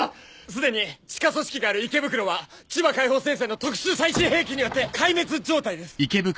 すでに地下組織がある池袋は千葉解放戦線の特殊最新兵器によって壊滅状態です。